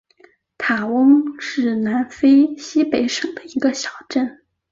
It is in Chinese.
塔翁是南非西北省的一个小镇。